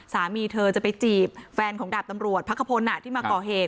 สามีเธอจะไปจีบแฟนของดาบตำรวจพักขพลที่มาก่อเหตุ